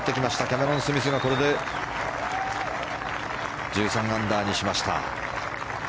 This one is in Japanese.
キャメロン・スミスがこれで１３アンダーにしました。